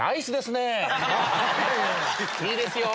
いいですよ。